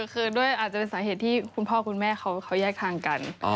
คือด้วยอาจจะเป็นสาเหตุที่คุณพ่อคุณแม่เขาแยกทางกัน